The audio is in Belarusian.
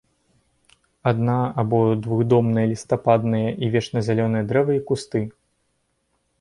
Адна- або двухдомныя лістападныя і вечназялёныя дрэвы і кусты.